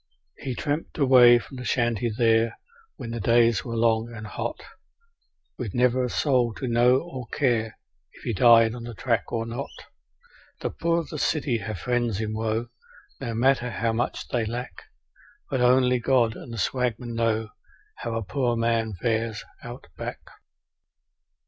He tramped away from the shanty there, when the days were long and hot, With never a soul to know or care if he died on the track or not. The poor of the city have friends in woe, no matter how much they lack, But only God and the swagmen know how a poor man fares Out Back.